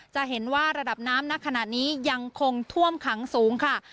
จะเห็นว่าระดับน้ำณขณะนี้ยังคงท่วมขังสูงค่ะ